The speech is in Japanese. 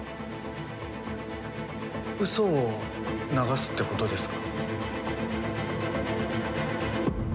うそを流すってことですか？